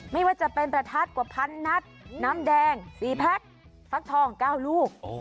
ไม่ว่าจะเป็นประทัดกว่าพันนัดน้ำแดง๔แพ็คฟักทอง๙ลูก